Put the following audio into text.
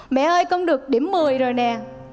mẹ ơi con được điểm một mươi rồi nè